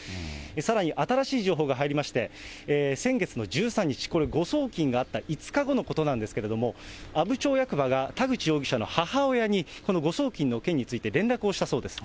さらに新しい情報が入りまして、先月の１３日、これ、誤送金があった５日後のことなんですけれども、阿武町役場が田口容疑者の母親にこの誤送金の件について、連絡をしたそうです。